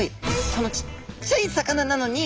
このちっちゃい魚なのに。